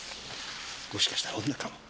もしかしたら女かも。